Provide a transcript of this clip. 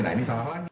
nah ini salah lagi